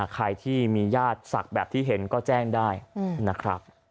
ใครที่มีญาติศักดิ์แบบที่เห็นก็แจ้งได้นะครับ